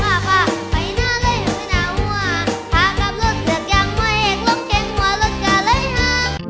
หากรับรถหรือแกงไวหรือรถแกงหัวรถกาเลยฮะ